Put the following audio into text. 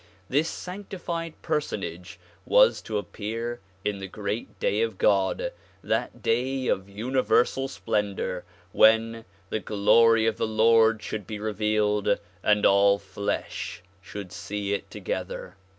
This sanctified personage was to appear in the great Day of God, that Day of universal splendor when '' the glory of the Lord should be revealed and all flesh should see it together.